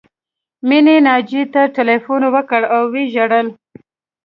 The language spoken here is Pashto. مینې ناجیې ته ټیلیفون وکړ او وژړل